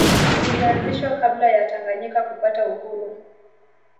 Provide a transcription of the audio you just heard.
Zilianzishwa kabla ya Tanganyika kupata uhuru